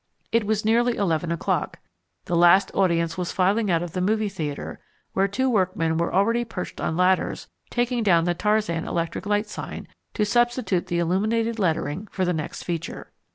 It was nearly eleven o'clock: the last audience was filing out of the movie theatre, where two workmen were already perched on ladders taking down the Tarzan electric light sign, to substitute the illuminated lettering for the next feature.